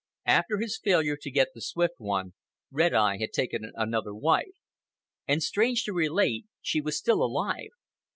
After his failure to get the Swift One, Red Eye had taken another wife; and, strange to relate, she was still alive.